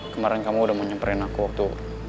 kemaren kamu udah menyemperin aku waktu